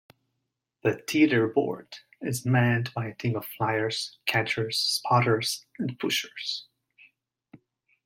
The teeterboard is manned by a team of flyers, catchers, spotters and pushers.